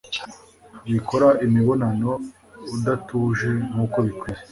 Wikora imibonano udatuje nkuko bikwiye